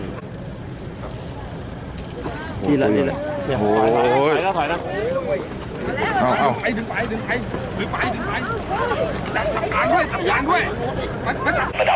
นี่เดี๋ยวใส่ไม่หมดมันไม่มีแล้วอันนั้นจะจักรพี่แล้วละ